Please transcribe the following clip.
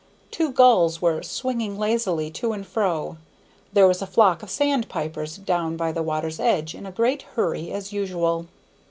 Two gulls were swinging lazily to and fro; there was a flock of sand pipers down by the water's edge, in a great hurry, as usual.